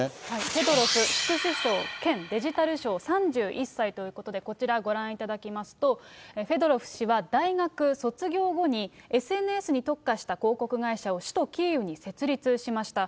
フェドロフ副首相兼デジタル相３１歳ということで、こちらご覧いただきますと、フェドロフ氏は、大学卒業後にＳＮＳに特化した広告会社を首都キーウに設立しました。